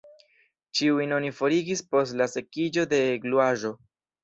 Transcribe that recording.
Ĉiujn oni forigis post la sekiĝo de gluaĵo.